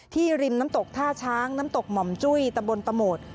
ริมน้ำตกท่าช้างน้ำตกหม่อมจุ้ยตะบนตะโหมด